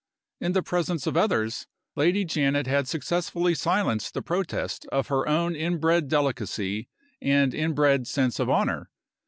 In the presence of others, Lady Janet had successfully silenced the protest of her own inbred delicacy and inbred sense of honor.